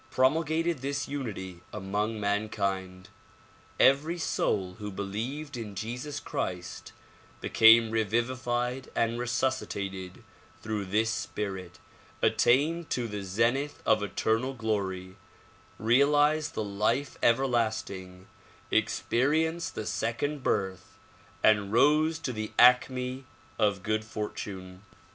— promulgated this unity among mankind. Every soul who believed in Jesus Christ became revivified and resuscitated through this spirit, attained to the zenith of eternal glory, realized the life everlasting, experienced the second birth and rose to the acme of good fortune.